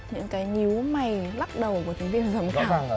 những cái nhíu mày lắc đầu của thành viên và giám khảo